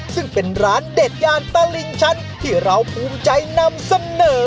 ซึ่งเป็นร้านเด็ดย่านตลิ่งชั้นที่เราภูมิใจนำเสนอ